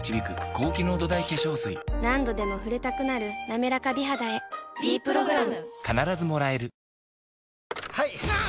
何度でも触れたくなる「なめらか美肌」へ「ｄプログラム」